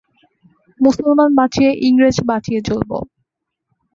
মুসলমান বাঁচিয়ে, ইংরেজ বাঁচিয়ে চলব।